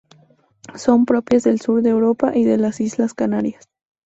Son propias del Sur de Europa y de las Islas Canarias.